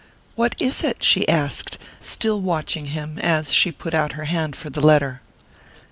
"What is it?" she asked, still watching him as she put out her hand for the letter.